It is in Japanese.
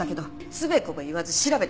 つべこべ言わず調べて！